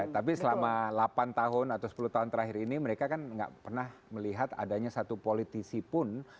tapi selama delapan tahun atau sepuluh tahun terakhir ini mereka kan nggak pernah melihat adanya satu politisi pun